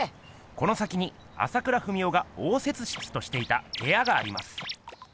この先に朝倉文夫が応接室としていたへやがあります。